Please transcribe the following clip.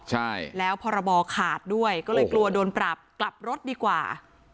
ใช่แล้วพรบขาดด้วยก็เลยกลัวโดนปรับกลับรถดีกว่า